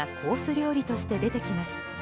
料理として出てきます。